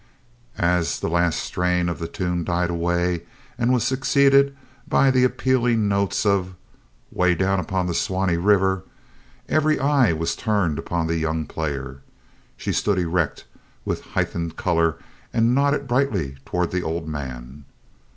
As the last strain of the tune died away, and was succeeded by the appealing notes of "'Way Down upon the Suwanee River," every eye was turned upon the young player. She stood erect, with heightened color, and nodded brightly toward the old man.